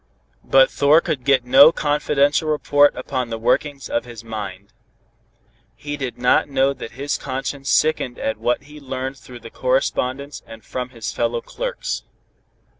But Thor could get no confidential report upon the workings of his mind. He did not know that his conscience sickened at what he learned through the correspondence and from his fellow clerks.